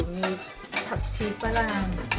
มีผักชีฝรั่ง